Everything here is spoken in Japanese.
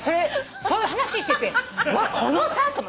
そういう話しててうわっこの差！？と思って。